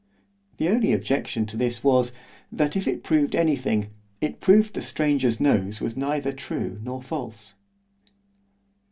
The only objection to this was, that if it proved any thing, it proved the stranger's nose was neither true nor false.